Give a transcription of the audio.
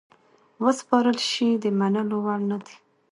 وسپارل سي د منلو وړ نه دي.